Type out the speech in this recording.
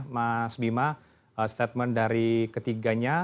mas bima statement dari ketiganya